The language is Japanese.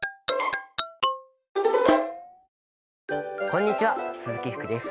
こんにちは鈴木福です。